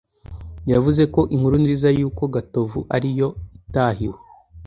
yavuze ko inkuru nziza y’uko gatovu ari yo itahiwe